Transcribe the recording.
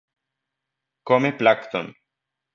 Come plancton.